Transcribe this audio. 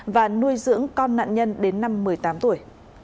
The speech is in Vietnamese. và nuôi dưỡng con nạn nhân đến năm một mươi tám tuổi